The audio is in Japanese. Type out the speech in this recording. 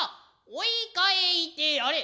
追い返いてやれ。